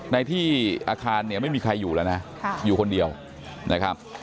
ในที่อาคารเนี่ยไม่มีใครอยู่แล้วนะอยู่คนเดียวนะครับ